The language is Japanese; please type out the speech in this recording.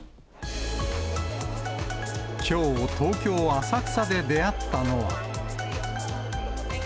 きょう、東京・浅草で出会ったのは。